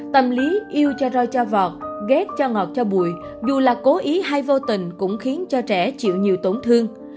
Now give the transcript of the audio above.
tâm lý yêu cho roi cho vọt ghét cho ngọt cho bụi dù là cố ý hay vô tình cũng khiến cho trẻ chịu nhiều tổn thương